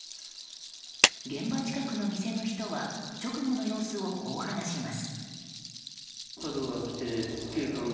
現場近くの店の人は直後の様子をこう話します。